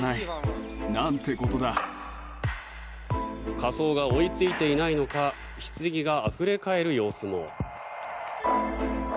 火葬が追いついていないのかひつぎがあふれ返る様子も。